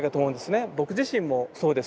僕自身もそうです。